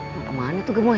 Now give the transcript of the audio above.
mau kemana tuh gemoy